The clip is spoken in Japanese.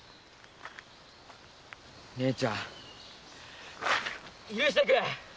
姉ちゃん許してくれ！